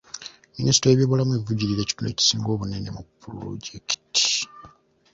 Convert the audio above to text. Minisitule y'ebyobulamu evujjirira ekitundu ekisinga obunene mu pulojekiti.